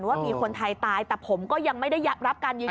ว่ามีคนไทยตายแต่ผมก็ยังไม่ได้รับการยืนยัน